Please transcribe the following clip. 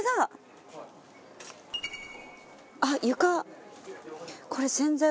あっ床。